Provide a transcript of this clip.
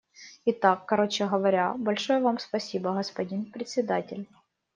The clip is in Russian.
Итак, короче говоря, большое Вам спасибо, господин Председатель.